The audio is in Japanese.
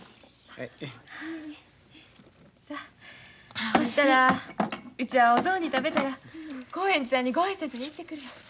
さあほしたらうちはお雑煮食べたら興園寺さんにご挨拶に行ってくる。